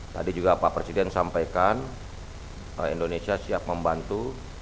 tadi juga pak presiden sampaikan indonesia siap membantu